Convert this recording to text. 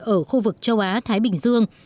ở khu vực châu á thái bình dương